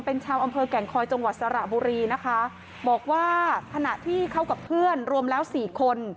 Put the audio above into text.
เป็นชาวอำเภอแก่งคอยจังหวัดสระบุรีนะคะบอกว่าขณะที่เข้ากับเพื่อนรวมแล้วสี่คน